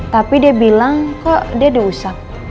tapi dia bilang kok dia diusap